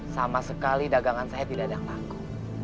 sama sekali dagangan saya tidak ada yang laku